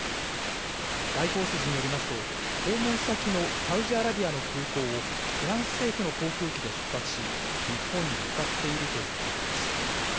外交筋によりますと、訪問先のサウジアラビアの空港を、フランス政府の航空機で出発し、日本に向かっているということです。